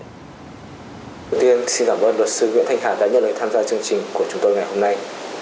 đầu tiên xin cảm ơn luật sư nguyễn thanh hà đã nhận lời tham gia chương trình của chúng tôi ngày hôm nay